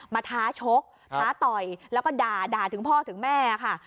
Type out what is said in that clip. ท้าชกท้าต่อยแล้วก็ด่าถึงพ่อถึงแม่ค่ะ